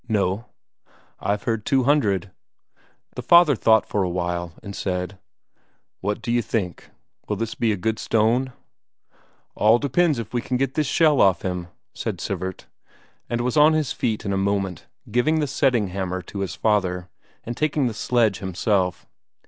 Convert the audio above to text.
"No." "I've heard two hundred." The father thought for a while, and said: "What d'you think, 'll this be a good stone?" "All depends if we can get this shell off him," said Sivert, and was on his feet in a moment, giving the setting hammer to his father, and taking the sledge himself.